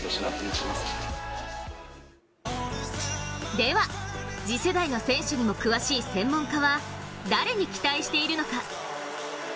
では、次世代の選手にも詳しい専門家は誰に期待しているのか。